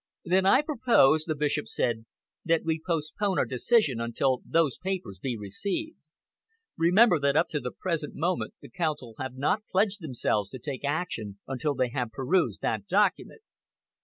"Then I propose," the Bishop said, "that we postpone our decision until those papers be received. Remember that up to the present moment the Council have not pledged themselves to take action until they have perused that document."